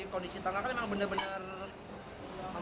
kondisi tangga kan memang benar benar aman